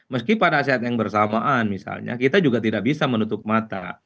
meski pada saat yang bersamaan misalnya kita juga tidak bisa menutup mata